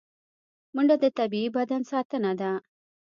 منډه د طبیعي بدن ساتنه ده